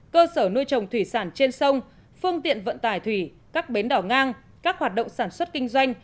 cơ sở nuôi trồng thủy sản trên sông phương tiện vận tải thủy các bến đỏ ngang các hoạt động sản xuất kinh doanh